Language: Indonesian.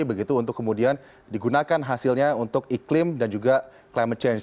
begitu untuk kemudian digunakan hasilnya untuk iklim dan juga climate change